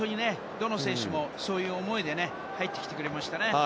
どの選手もそういう思いで入ってきてくれましたね。